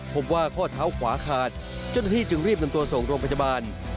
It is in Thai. พบว่าข้อเท้าขวาขาดเจ้าหน้าที่จึงรีบนำตัวส่งโรงพยาบาล